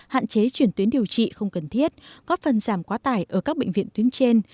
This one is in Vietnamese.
hạn chế chuyển tuyến điều trị không cần thiết góp phần giảm quá tải ở các bệnh viện tuyến trên